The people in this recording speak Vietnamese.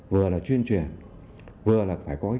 vừa là chuyên truyền vừa là phải có cái cơ hội